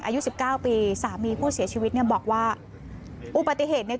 อายุสิบเก้าปีสามีผู้เสียชีวิตเนี่ยบอกว่าอุบัติเหตุเนี่ย